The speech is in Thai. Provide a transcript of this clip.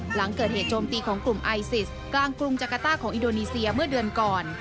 หลังเกิดเหตุโจมตีของกลุ่มไอซิสกลางกรุงจักรต้าของอินโดนีเซียเมื่อเดือนก่อน